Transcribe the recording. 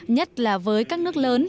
nhất là với các nước lớn